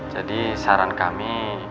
jadi saran kami